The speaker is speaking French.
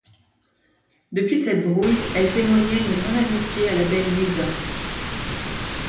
Depuis cette brouille, elle témoignait une grande amitié à la belle Lisa.